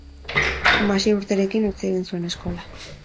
Hamasei urterekin utzi egin zuen eskola.